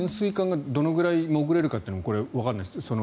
潜水艦がどのぐらい潜れるかもわからないです。